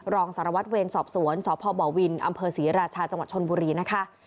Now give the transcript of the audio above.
รองสารวัตเวรสอบสวนสบวินอศรีราชาจชนบุรีนะคะ